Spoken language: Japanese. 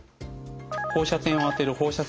放射線を当てる放射線療法。